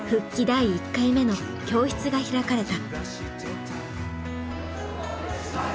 第１回目の教室が開かれた。